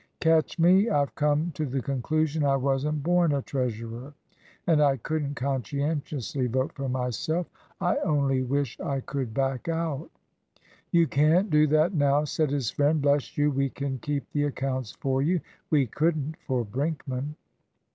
"Catch me. I've come to the conclusion I wasn't born a treasurer, and I couldn't conscientiously vote for myself. I only wish I could back out." "You can't do that now," said his friend. "Bless you, we can keep the accounts for you. We couldn't for Brinkman."